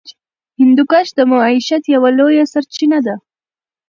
هندوکش د معیشت یوه لویه سرچینه ده.